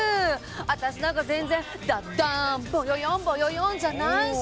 私なんか全然「ダッダーンボヨヨンボヨヨン」じゃないし。